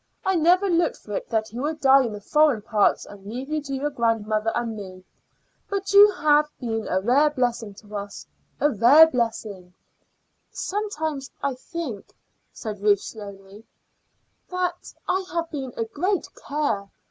I never looked for it that he would die in the foreign parts and leave you to your grandmother and me. But you have been a rare blessing to us a rare blessing." "Sometimes I think," said Ruth slowly, "that I have been a great care.